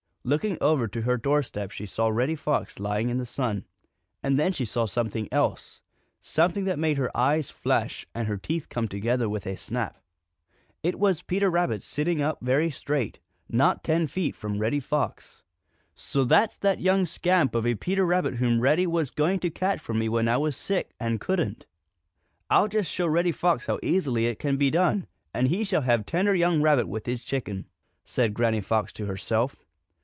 Looking over to her doorstep, she saw Reddy Fox lying in the sun, and then she saw something else, something that made her eyes flash and her teeth come together with a snap. It was Peter Rabbit sitting up very straight, not ten feet from Reddy Fox. "So that's that young scamp of a Peter Rabbit whom Reddy was going to catch for me when I was sick and couldn't! I'll just show Reddy Fox how easily it can be done, and he shall have tender young rabbit with his chicken!" said Granny Fox to herself.